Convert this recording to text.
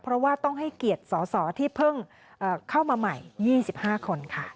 เพราะว่าต้องให้เกียรติสสที่เพิ่งเข้ามาใหม่๒๕คนค่ะ